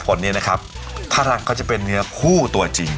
คนนี้นะครับถ้ารังเขาจะเป็นเนื้อคู่ตัวจริง